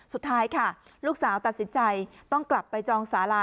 สุดท้ายค่ะลูกสาวตัดสินใจต้องกลับไปจองสารา